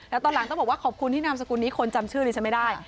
แล้วตอนหลังต้องบอกว่าขอบคุณที่นามสกุลนี้คนจำชื่อนี้ฉันไม่ได้